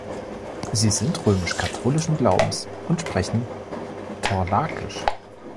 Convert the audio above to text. Sie sind römisch-katholischen Glaubens und sprechen Torlakisch.